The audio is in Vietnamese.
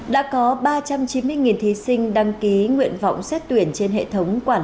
đã có ba trăm chín mươi thí sinh đăng ký nguyện vọng xét tuyển trên hệ thống quản lý